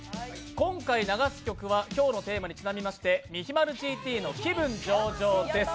今回流す曲は今日のテーマにちなみまして、ｍｉｈｉｍａｒｕＧＴの「気分上々↑↑」です